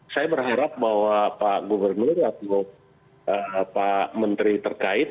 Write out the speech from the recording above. saya berharap bahwa pak gubernur atau pak menteri terkait